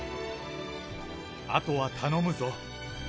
あとは頼むぞ。